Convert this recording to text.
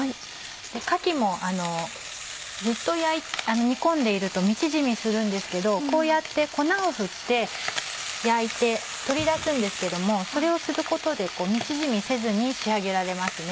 でかきもずっと煮込んでいると身縮みするんですけどこうやって粉を振って焼いて取り出すんですけどもそれをすることで身縮みせずに仕上げられますね。